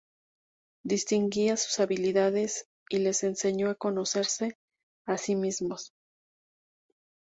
Distinguía sus habilidades y les enseñó a conocerse a sí mismos.